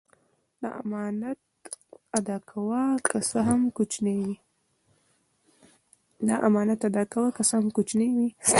د امانت ادا کوه که څه هم کوچنی وي.